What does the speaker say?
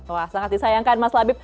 wah sangat disayangkan mas habib